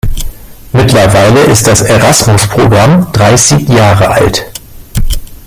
Mittlerweile ist das Erasmus-Programm dreißig Jahre alt.